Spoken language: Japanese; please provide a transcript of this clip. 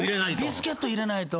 ビスケット入れないと。